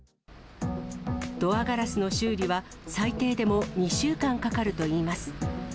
ドアガラスの修理は、最低でも２週間かかるといいます。